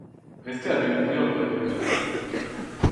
Restait à découvrir le vrai docteur